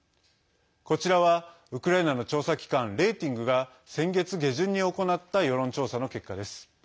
こちらはウクライナの調査機関レーティングが先月下旬に行った世論調査の結果です。